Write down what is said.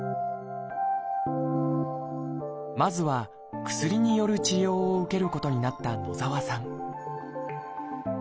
まずは薬による治療を受けることになった野澤さん